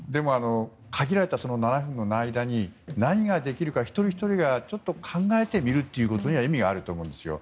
限られた７分の間に何ができるか一人ひとりがちょっと考えてみるということに意味があると思うんですよ。